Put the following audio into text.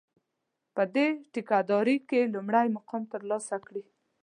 په دې ټېکه داري کې لومړی مقام ترلاسه کړي.